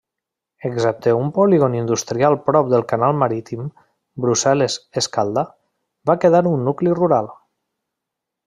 Excepte un polígon industrial prop del Canal marítim Brussel·les-Escalda, va quedar un nucli rural.